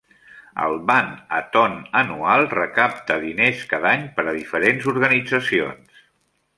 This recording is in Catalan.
El Band-a-Thon anual recapta diners cada any per a diferents organitzacions.